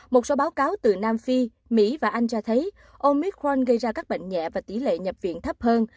một số báo cáo từ nam phi mỹ và anh cho thấy omic khoan gây ra các bệnh nhẹ và tỷ lệ nhập viện thấp hơn